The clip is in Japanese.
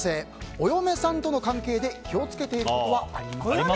お嫁さんとの関係で気を付けていることはありますか。